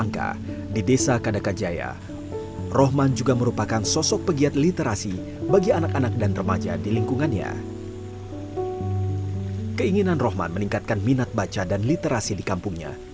kisah bintang bintang